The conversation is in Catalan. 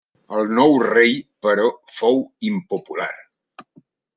El nou rei però fou impopular.